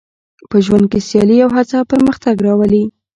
په ژوند کې سیالي او هڅه پرمختګ راولي.